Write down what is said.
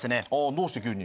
どうして急に？